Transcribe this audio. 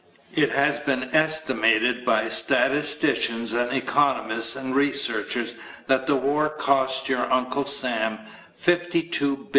It has been estimated by statisticians and economists and researchers that the war cost your Uncle Sam $52,000,000,000.